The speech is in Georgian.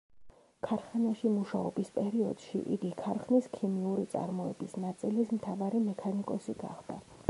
ქარხანაში მუშაობის პერიოდში იგი ქარხნის ქიმიური წარმოების ნაწილის მთავარი მექანიკოსი გახდა.